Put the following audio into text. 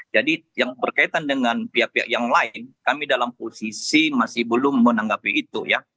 jadi yang berkaitan dengan pihak pihak yang lain kami dalam posisi masih belum menanggapi itu ya